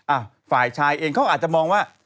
อ่ะฝ่ายชายเองเขาอาจจะมองว่า